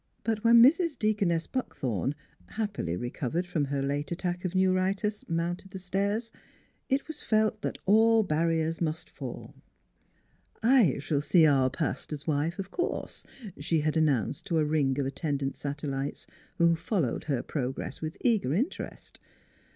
But when Mrs. Deaconess Buckthorn, happily recovered from her late attack of neuritis, mounted the stairs, it was felt that all barriers must fall. " I shall see our paster's wife, of course," she had announced to a ring of attendant satellites who followed her progress with eager interest.